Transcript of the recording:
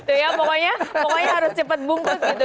itu ya pokoknya harus cepat bungkus gitu